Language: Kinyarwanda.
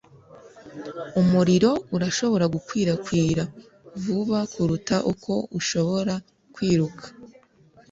Umuriro urashobora gukwirakwira vuba kuruta uko ushobora kwiruka.